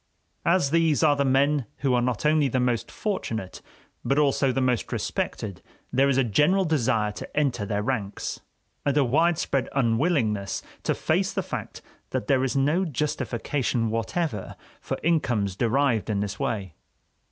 As these are the men who are not only the most fortunate but also the most respected, there is a general desire to enter their ranks, and a widespread unwillingness to face the fact that there is no justification whatever for incomes derived in this way.